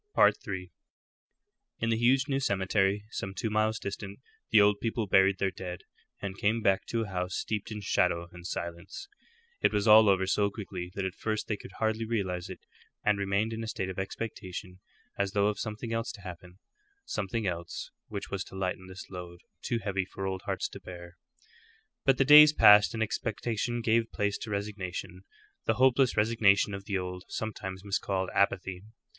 III. In the huge new cemetery, some two miles distant, the old people buried their dead, and came back to a house steeped in shadow and silence. It was all over so quickly that at first they could hardly realize it, and remained in a state of expectation as though of something else to happen something else which was to lighten this load, too heavy for old hearts to bear. But the days passed, and expectation gave place to resignation the hopeless resignation of the old, sometimes miscalled, apathy.